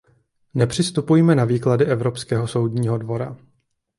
Nepřistupujme na výklady Evropského soudního dvora.